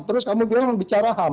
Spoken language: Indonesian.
terus kami bilang bicara ham